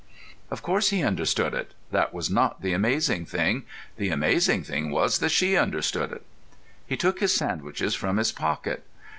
Of course he understood it. That was not the amazing thing. The amazing thing was that she understood it. He took his sandwiches from his pocket.